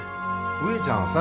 植ちゃんはさ